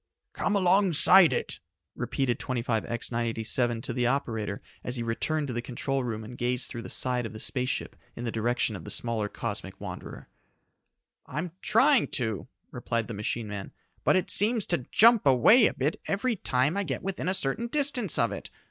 "Come alongside it," repeated 25X 987 to the operator as he returned to the control room and gazed through the side of the space ship in the direction of the smaller cosmic wanderer. "I'm trying to," replied the machine man, "but it seems to jump away a bit every time I get within a certain distance of it.